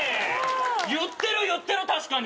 言ってる言ってる確かに。